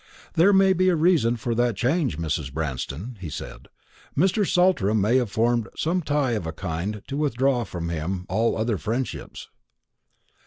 "There may be a reason for that change, Mrs. Branston," he said. "Mr. Saltram may have formed some tie of a kind to withdraw him from all other friendships."